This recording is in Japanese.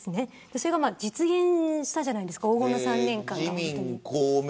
それが実現したじゃないですか黄金の３年間が。